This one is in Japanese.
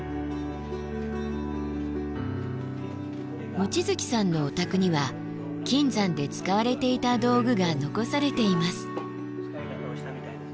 望月さんのお宅には金山で使われていた道具が残されています。